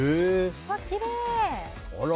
きれい！